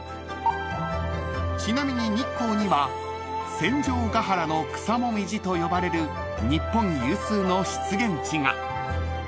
［ちなみに日光には戦場ヶ原の草紅葉と呼ばれる日本有数の湿原地が］